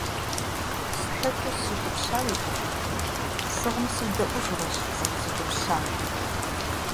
Слъэкӏыу сыутӏыпща уи гугъэрэ? Сыгъым седаӏуэжурэщ зэрызутӏыпщар.